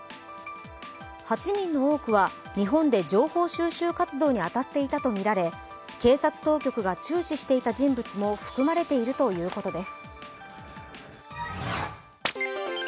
８人の多くは日本で情報収集活動に当たっていたとみられ警察当局が注視していた人物も含まれているということです。